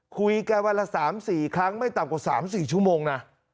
คุยกันวันละ๓๔ครั้งไม่ต่ำกว่า๓๔ชั่วโมงนะ